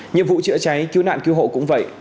nhiệm vụ chữa cháy cứu nạn cứu hộ cũng vậy